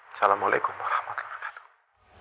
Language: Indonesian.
assalamualaikum warahmatullahi wabarakatuh